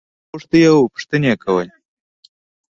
یوه یي ور غوښتل او پوښتنې یې کولې.